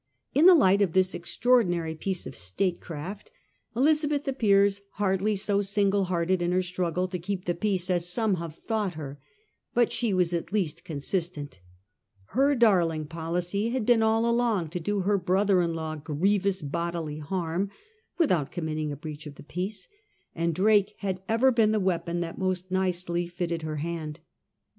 In the light of this extraordinary piece of statecraft, Elizabeth appears hardly so single hearted in her struggle to keep the peace as some have thought her ; but she was at least consistent Her darling policy had been all along to do her brother in law grievous bodily harm without committing a breach of the peace, and Drake had ever been the weapon that most nicely fitted her hand.